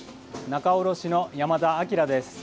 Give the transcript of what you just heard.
仲卸の山田晃です。